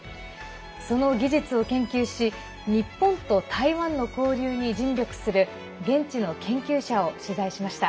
その技術を研究し日本と台湾の交流に尽力する現地の研究者を取材しました。